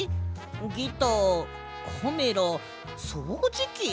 ギターカメラそうじき？